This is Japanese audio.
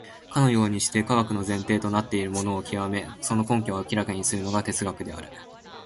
かようにして科学の前提となっているものを究め、その根拠を明らかにするのが哲学である。